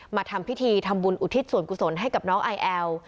มาทำพิธีทำบุญอุทิศส่วนกุศลให้กับน้องไอแอล